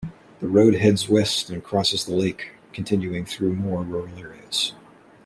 The road heads west and crosses the lake, continuing through more rural areas.